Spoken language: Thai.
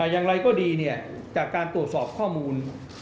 อย่างไรก็ดีจากการตรวจสอบข้อมูล